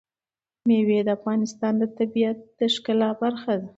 مېوې د افغانستان د طبیعت د ښکلا برخه ده.